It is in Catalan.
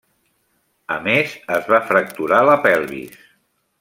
A més, es va fracturar la pelvis.